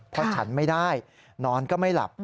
เพราะฉันไม่ได้นอนก็ไม่หลับ